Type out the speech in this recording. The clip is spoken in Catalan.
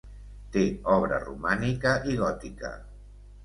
Té obra romànica i gòtica.